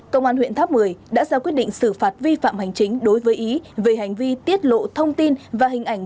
công an huyện tháp một mươi đã ra quyết định xử phạt vi phạm hành chính đối với ý về hành vi tiết lộ thông tin và hình ảnh